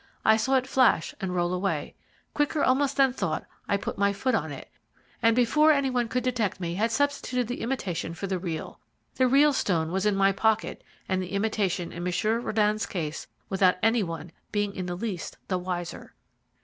I saw it flash and roll away. Quicker almost than thought I put my foot on it, and before any one could detect me had substituted the imitation for the real. The real stone was in my pocket and the imitation in Monsieur Röden's case without any one being in the least the wiser.